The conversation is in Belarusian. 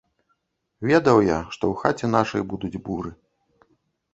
Ведаў я, што ў хаце нашай будуць буры.